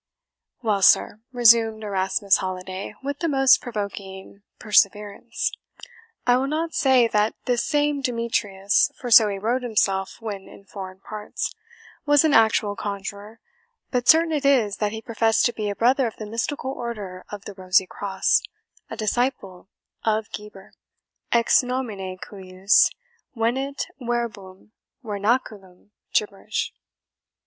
"Well, sir," resumed Erasmus Holiday, with the most provoking perseverance, "I will not say that this same Demetrius for so he wrote himself when in foreign parts, was an actual conjurer, but certain it is that he professed to be a brother of the mystical Order of the Rosy Cross, a disciple of Geber (EX NOMINE CUJUS VENIT VERBUM VERNACULUM, GIBBERISH).